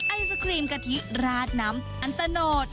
ไอศครีมกะทิราดน้ำอันตะโนด